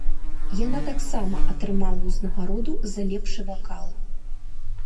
Яна таксама атрымала ўзнагароду за лепшы вакал.